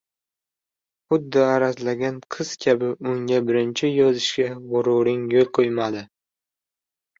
Huddi arazlagan qiz kabi unga birinchi yozishga gʻururing yoʻl qoʻymaydi.